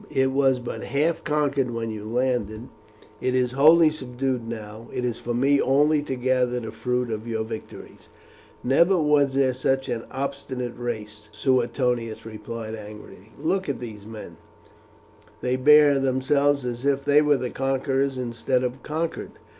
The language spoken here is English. "It was but half conquered when you landed, it is wholly subdued now. It is for me only to gather the fruit of your victories." "Never was there such an obstinate race," Suetonius replied angrily. "Look at those men, they bear themselves as if they were conquerors instead of conquered."